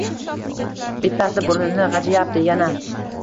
Bittasi burnini g‘ajiyapti yana